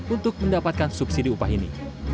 untuk mendapatkan subsidi upah ini